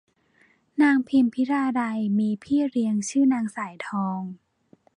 นางพิมพิลาไลยมีพี่เลี้ยงชื่อนางสายทอง